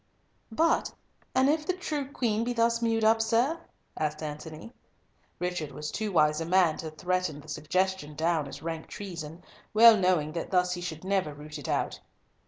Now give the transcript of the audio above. "But an if the true Queen be thus mewed up, sir?" asked Antony. Richard was too wise a man to threaten the suggestion down as rank treason, well knowing that thus he should never root it out.